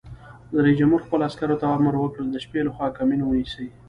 رئیس جمهور خپلو عسکرو ته امر وکړ؛ د شپې لخوا کمین ونیسئ!